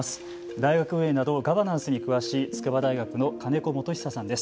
大学運営などガバナンスに詳しい筑波大学の金子元久さんです。